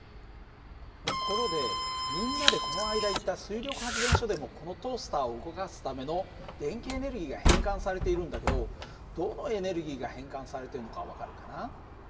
ところでみんなでこの間行った水力発電所でもこのトースターを動かすための電気エネルギーが変換されているんだけどどのエネルギーが変換されてるのか分かるかな？